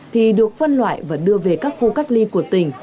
thì được phân loại và đưa về các khu cách ly của tỉnh